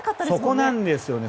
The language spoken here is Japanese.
そこなんですよね。